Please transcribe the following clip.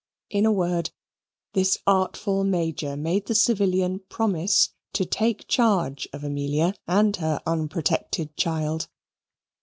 In a word, this artful Major made the civilian promise to take charge of Amelia and her unprotected child.